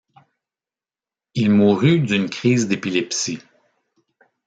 Il mourut d'une crise d'épilepsie.